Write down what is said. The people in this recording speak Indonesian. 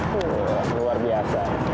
tuh luar biasa